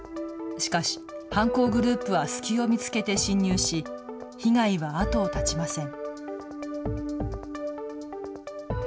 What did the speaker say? しかし犯行グループは隙を見つけて侵入し被害は後を絶ちません。